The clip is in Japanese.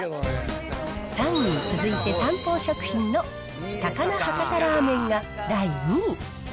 ３位に続いてサンポー食品の高菜博多ラーメンが第２位。